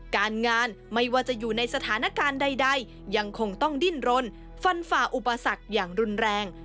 การงานไม่ว่าจะอยู่ในสถานการณ์ใดยังคงต้องดิ้นรนฟันฝ่าอุปสรรคอย่างรุนแรง